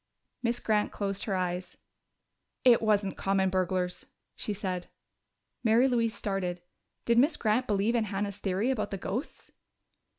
Miss Grant closed her eyes. "It wasn't common burglars," she said. Mary Louise started. Did Miss Grant believe in Hannah's theory about the ghosts?